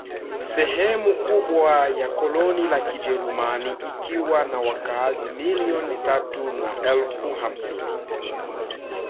Sehemu kubwa ya koloni la Kijerumani ikiwa na wakazi milioni tatu na elfu hamsini